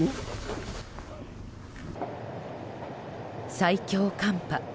最強寒波。